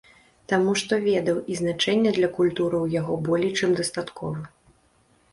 Таму што ведаў і значэння для культуры у яго болей чым дастаткова.